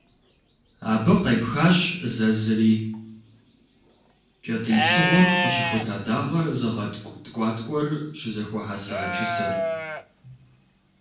Абы къепхащ зэзри - кӏэтӏий псыгъуэм къыщыхута дагъэр зыгъэткӏу ткӏуаткӏуэр щызэхуэхьэса «чысэр».